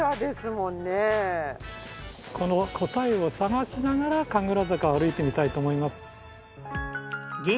この答えを探しながら神楽坂を歩いてみたいと思います。